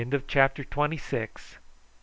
CHAPTER TWENTY SEVEN.